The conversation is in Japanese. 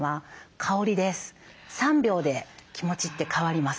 ３秒で気持ちって変わります。